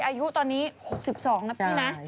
อายุตอนนี้๖๒นะพี่นะ